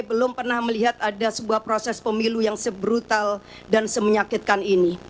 saya belum pernah melihat ada sebuah proses pemilu yang se brutal dan se menyakitkan ini